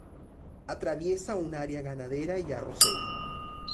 Atraviesa un área ganadera y arrocera.